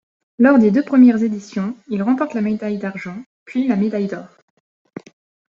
Lors des deux premières éditions, il remporte la médaille d'argent, puis la médaille d'or.